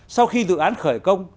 sau khi dự án khởi công